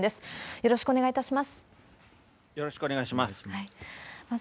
よろしくお願いします。